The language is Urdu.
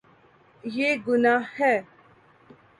یے گناہ ہے